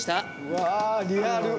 うわリアル！